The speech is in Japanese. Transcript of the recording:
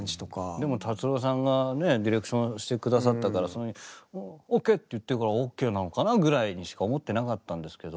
でも達郎さんがねディレクションしてくださったから「ＯＫ」って言ってるからＯＫなのかなぐらいにしか思ってなかったんですけど。